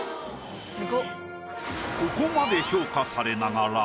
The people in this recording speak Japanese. ここまで評価されながら。